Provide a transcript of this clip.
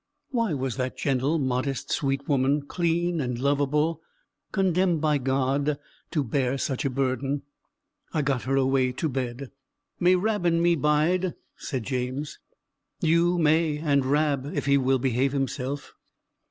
Why was that gentle, modest, sweet woman, clean and lovable, condemned by God to bear such a burden? I got her away to bed. "May Rab and me bide?" said James. "You may; and Rab, if he will behave himself."